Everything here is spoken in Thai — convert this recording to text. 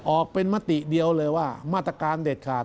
ออกเป็นมติเดียวเลยว่ามาตรการเด็ดขาด